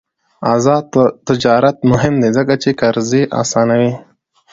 آزاد تجارت مهم دی ځکه چې قرضې اسانوي.